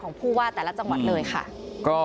ผู้ว่าแต่ละจังหวัดเลยค่ะ